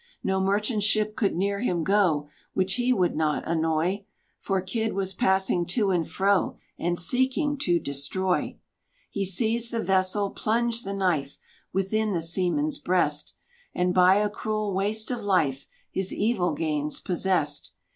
No merchant ship could near him go, Which he would not annoy; For Kidd was passing to and fro, And seeking to destroy. He seized the vessel, plunged the knife Within the seamen's breast: And by a cruel waste of life, His evil gains possessed.